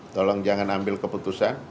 tolong jangan ambil keputusan